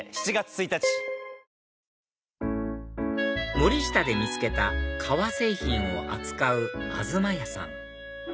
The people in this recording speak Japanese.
森下で見つけた革製品を扱うＡＺＵＭＡＹＡさん